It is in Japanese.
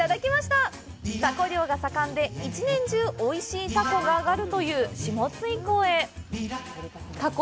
たこ漁が盛んで、一年中、おいしいたこが揚がるという下津井港へ。